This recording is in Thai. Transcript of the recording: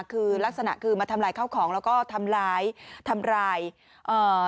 คือลักษณะคือมาทำลายข้าวของแล้วก็ทำร้ายทำร้ายเอ่อ